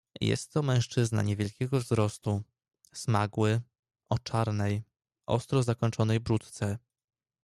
"Jest to mężczyzna niewielkiego wzrostu, smagły, o czarnej, ostro zakończonej bródce."